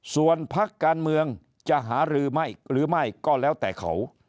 ส่วนพักการเมืองจะหารือไม่หรือไม่ก็แล้วแต่เขา